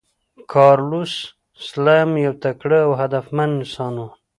کارلوس سلایم یو تکړه او هدفمند انسان و.